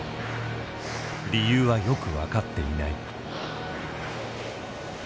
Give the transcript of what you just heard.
理由はよく分かっていない。